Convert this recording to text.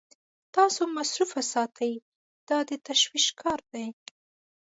تاسو مصروف ساتي دا د تشویش کار دی.